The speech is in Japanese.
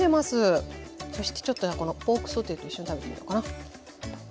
そしてちょっとこのポークソーテーと一緒に食べてみようかな。